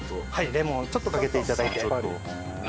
レモンをちょっとかけて頂いて。